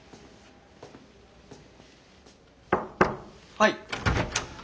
・はい。